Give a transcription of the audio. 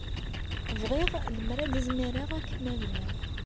Bɣiɣ lemmer ad izmireɣ ad kem-amneɣ.